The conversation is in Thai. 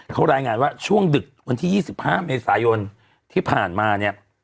เขารายงานว่าช่วงดึกวันที่๒๕เมษายนที่ผ่านมาเนี่ย